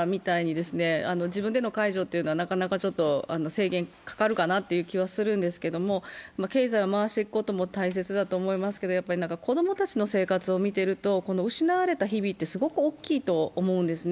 自分での解除というのはなかなか制限かかるかなという気はするんですけど経済を回していくことも大切だと思いますけど、子供たちの生活を見てると、失われた日々ってすごく大きいと思うんですね。